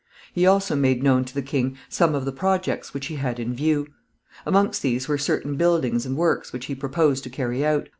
He also made known to the king some of the projects which he had in view. Amongst these were certain buildings and works which he proposed to carry out.